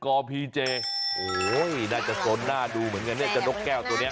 โอ้โฮได้จะสนหน้าดูเหมือนกันเนี่ยจะนกแก้วตัวเนี่ย